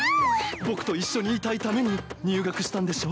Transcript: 僕と一緒にいたいために入学したんでしょ？